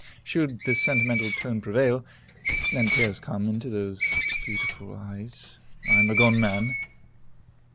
Should the sentimental tone prevail, and tears come into those beautiful eyes, I am a gone man.